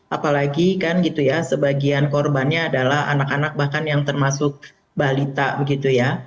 apalagi kan gitu ya sebagian korbannya adalah anak anak bahkan yang termasuk balita begitu ya